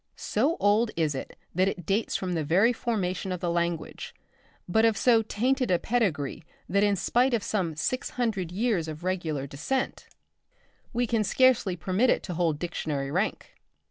So old is it that it dates from the very formation of the language, but of so tainted a pedigree that in spite of some six hundred years of regular descent we can scarcely permit it to hold dictionary rank.